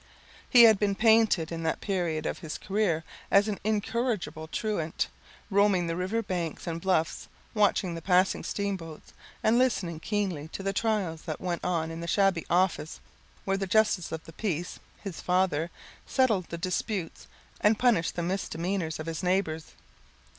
He had been painted in that period of his career as an incorrigible truant, roaming the river banks and bluffs, watching the passing steamboats, and listening keenly to the trials that went on in the shabby office where the Justice of the Peace, his father, settled the disputes and punished the misdemeanors of his neighbors.